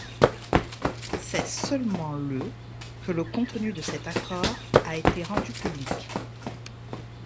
C’est seulement le que le contenu de cet accord a été rendu public.